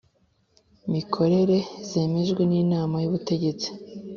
mikorere zemejwe n Inama y Ubutegetsi